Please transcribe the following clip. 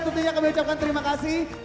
tentunya kami ucapkan terima kasih